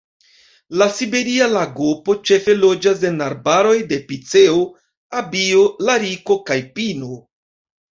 La Siberia lagopo ĉefe loĝas en arbaroj de piceo, abio, lariko kaj pino.